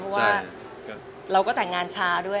เพราะว่าเราก็แต่งงานช้าด้วย